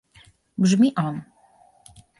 Brzmi on